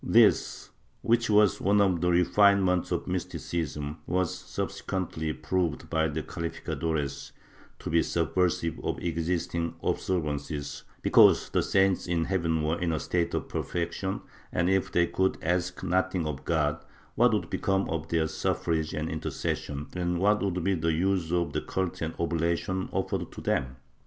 This, which was one of the refinements of mysticism, was subsequently proved by the calificadores to be subversive of existing observances, because the saints in heaven were in a state of perfection and, if they could ask nothing of God, what would become of their suffrage and intercession and what would be the use of the cult and obla tions offered to them